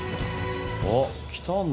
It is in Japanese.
おっ来たんだ？